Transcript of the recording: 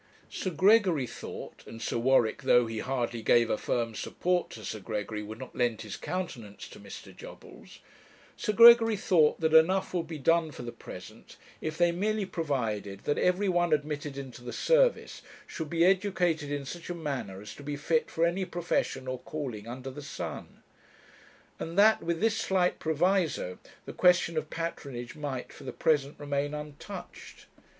Sir Gregory thought and Sir Warwick, though he hardly gave a firm support to Sir Gregory, would not lend his countenance to Mr. Jobbles Sir Gregory thought that enough would be done for the present, if they merely provided that every one admitted into the Service should be educated in such a manner as to be fit for any profession or calling under the sun; and that, with this slight proviso, the question of patronage might for the present remain untouched.